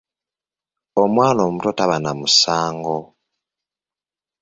Omwana omuto taba na musango.